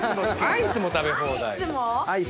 アイスも食べ放題。